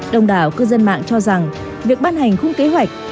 đồng đảo cư dân mạng cho rằng việc ban hành khung kế hoạch